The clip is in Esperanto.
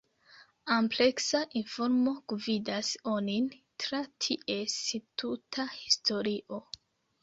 Ampleksa informo gvidas onin tra ties tuta historio.